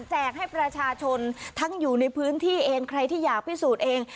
แจกให้ประชาชนทั้งอยู่ในพื้นที่เองใครที่อยากพิสูจน์เอง